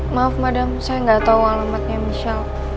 maaf madam saya gak tau alamatnya michelle